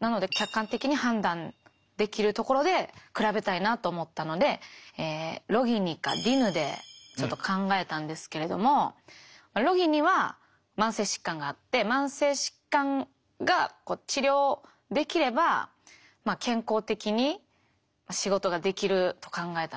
なので客観的に判断できるところで比べたいなと思ったのでロギニかディヌでちょっと考えたんですけれどもロギニは慢性疾患があって慢性疾患が治療できれば健康的に仕事ができると考えたんですね。